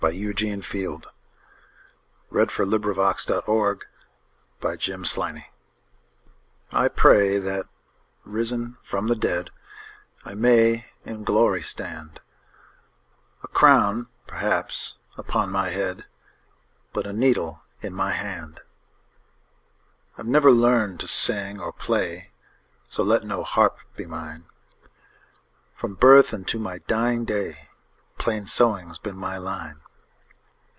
Eugene Field 1850–1895 Eugene Field 230 Grandma's Prayer I PRAY that, risen from the dead,I may in glory stand—A crown, perhaps, upon my head, But a needle in my hand.I 've never learned to sing or play, So let no harp be mine; From birth unto my dying day, Plain sewing 's been my line.